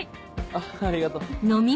あぁありがとう。